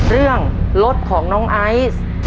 เรื่องรถของน้องไอซ์